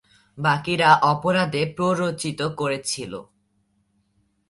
বাকিরা অপরাধে প্ররোচিত করেছিল।